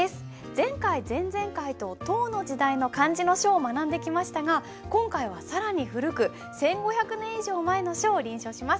前回前々回と唐の時代の漢字の書を学んできましたが今回は更に古く１，５００年以上前の書を臨書します。